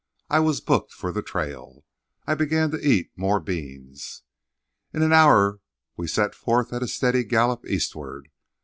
I was booked for the trail. I began to eat more beans. In an hour we set forth at a steady gallop eastward.